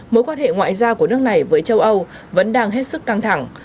mối quan hệ ngoại giao của nước này với châu âu vẫn đang hết sức căng thẳng